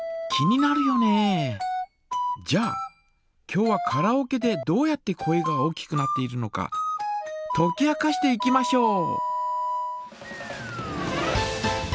じゃあ今日はカラオケでどうやって声が大きくなっているのかとき明かしていきましょう。